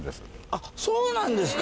あっそうなんですか？